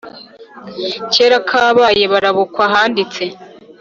kera kabaye barabukwa ahanditse